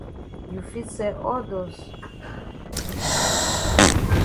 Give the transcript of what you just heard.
You fit sell all dust.